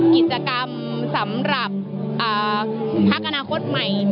กิจกรรมสำหรับพักอนาคตใหม่